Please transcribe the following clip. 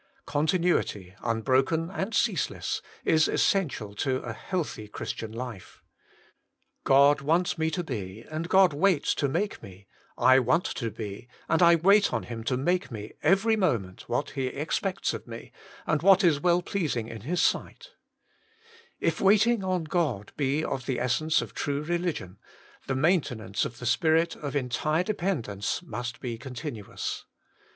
Continnity, Tin Ixoken and ceaseless, is essential to a healthy Quktian life. God wants me to be, and God waits to make me, I want to be, and I wait on Bjm to make me, eyery moment, what He ex pedB di me, and what is w^dl pleasing in His si^L If waiting on God be of the essence of true religion, the maintenance of the spirit of eatire dependence must be continuous.